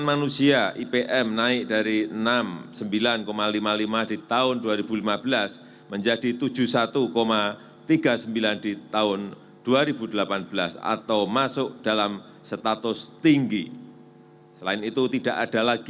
yang saya hormati bapak haji muhammad yudhkala